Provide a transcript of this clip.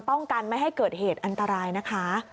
ป้องกันไม่ให้เกิดเหตุอันตรายนะคะ